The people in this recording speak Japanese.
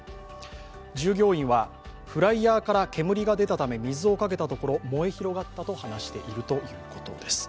従業員はフライヤーから煙が出たため水をかけたところ燃え広がったと話しているということです。